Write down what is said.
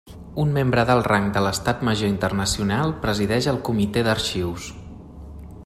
Un membre d'alt rang de l'Estat Major Internacional presideix el Comitè d'Arxius.